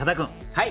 はい。